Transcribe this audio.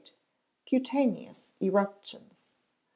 Cutaneous Eruptions.